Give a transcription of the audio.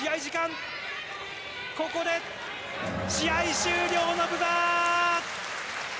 ここで試合終了のブザー。